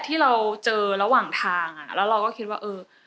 ที่เราเจอระหว่างทางเราก็คิดว่า